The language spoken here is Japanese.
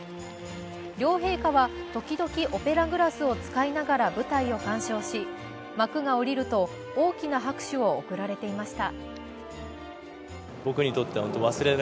両陛下は時々オペラグラスを使いながら舞台を鑑賞し、幕が下りると大きな拍手を送られていました。